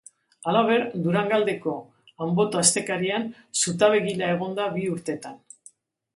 Halaber, Durangaldeko Anboto astekarian zutabegile egon da bi urtetan.